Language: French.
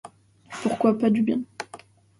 Pourquoi pas du bien ?